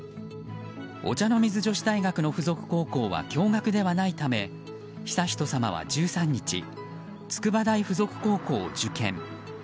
お茶の水女子大学の付属高校は共学ではないため悠仁さまは１３日筑波大学附属高校を受験。